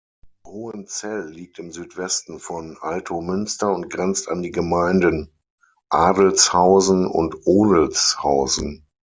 Hohenzell liegt im Südwesten von Altomünster und grenzt an die Gemeinden Adelzhausen und Odelzhausen.